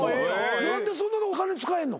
何でそんなお金使えるの？